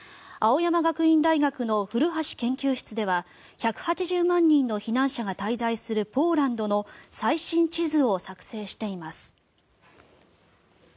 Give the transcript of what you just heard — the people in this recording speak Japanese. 青山学院大学の古橋研究室では１８０万人の避難者が滞在するポーランドの最新地図を作製しています。